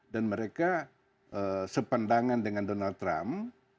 dan mereka sepandangan dengan donald trump